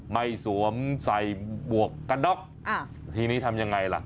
ไหมสวมใส่บวกกระด๊อกทีนี้ทำยังไงล่ะ